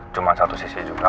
cuman satu sisi juga